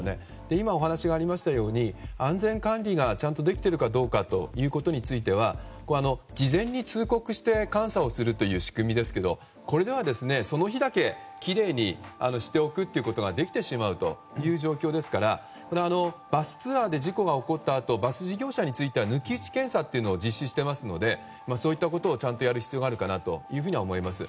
今ありましたように安全管理がちゃんとできてるかどうかについては事前に通告して監査をするという仕組みですがこれでは、その日だけきれいにしておくということができてしまうという状況なのでバスツアーで事故が起こったあとバス事業者については抜き打ち検査を実施していますのでそういったことをちゃんとやる必要があるかなと思います。